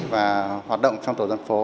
và hoạt động trong tổ dân phố